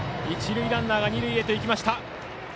一塁ランナーが二塁へと行きました。